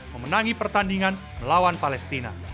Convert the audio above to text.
memenangi pertandingan melawan palestina